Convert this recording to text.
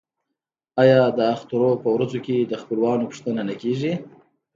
آیا د اخترونو په ورځو کې د خپلوانو پوښتنه نه کیږي؟